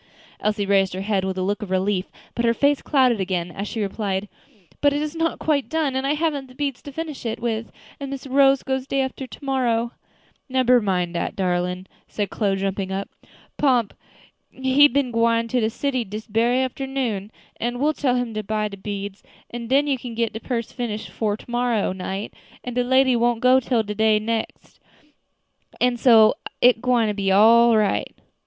Elsie raised her head with a look of relief, but her face clouded again, as she replied, "But it is not quite done, and I haven't the beads to finish it with, and Miss Rose goes day after to morrow." "Nebber mind dat, darlin'," said Chloe, jumping up; "Pomp he been gwine to de city dis berry afternoon, an' we'll tell him to buy de beads, an' den you can get de purse finished 'fore to morrow night, an' de lady don't go till de next day, an' so it gwine all come right yet."